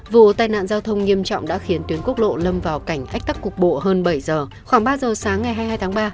vụ tai nạn giao thông nghiêm trọng đã khiến tuyến quốc lộ lâm vào cảnh ách tắc cục bộ hơn bảy giờ khoảng ba giờ sáng ngày hai mươi hai tháng ba